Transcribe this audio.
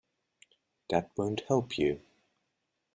That won’t help you.